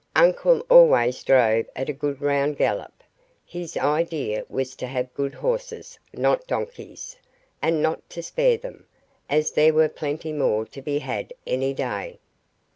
Uncle always drove at a good round gallop. His idea was to have good horses, not donkeys, and not to spare them, as there were plenty more to be had any day.